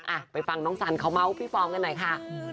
อ่ะไปฟังน้องสันเขาเมาส์พี่ฟอร์มกันหน่อยค่ะ